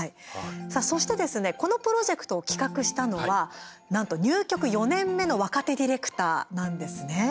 そしてこのプロジェクトを企画したのはなんと入局４年目の若手ディレクターなんですね。